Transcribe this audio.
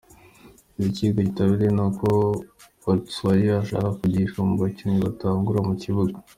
Ikiriko kirabitevya n'uko Batshuayi ashaka gukinishwa mu bakinyi batangura mu kibuga.